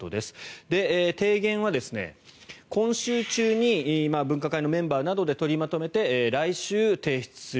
提言は今週中に分科会のメンバーなどで取りまとめて来週提出する。